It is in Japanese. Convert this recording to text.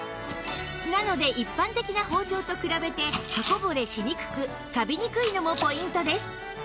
なので一般的な包丁と比べて刃こぼれしにくくさびにくいのもポイントです